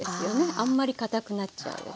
あんまりかたくなっちゃうよりね。